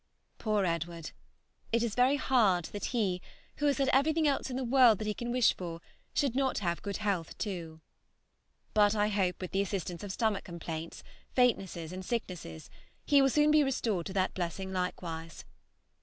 ... Poor Edward! It is very hard that he, who has everything else in the world that he can wish for, should not have good health too. But I hope with the assistance of stomach complaints, faintnesses, and sicknesses, he will soon be restored to that blessing likewise.